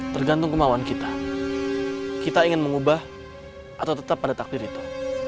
tergantung kemauan kita kita ingin mengubah atau tetap pada takdir itu